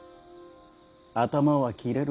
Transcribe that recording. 頭は切れる。